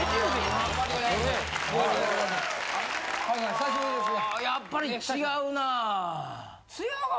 久しぶりですが。